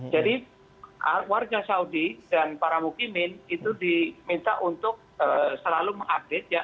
jadi warga saudi dan para mukimin itu diminta untuk selalu mengupdate